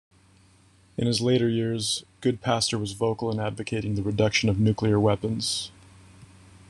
In his later years, Goodpaster was vocal in advocating the reduction of nuclear weapons.